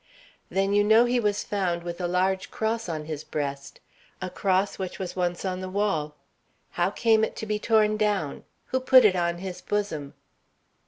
"Then you know he was found with a large cross on his breast, a cross which was once on the wall. How came it to be torn down? Who put it on his bosom?"